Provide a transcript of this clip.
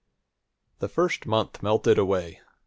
The first month melted away.